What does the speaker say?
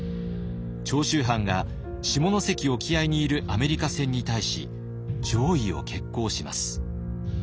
長州藩が下関沖合にいるアメリカ船に対し攘夷を決行します。